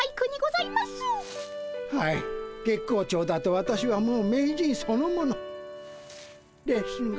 はい月光町だと私はもう名人そのもの。ですが。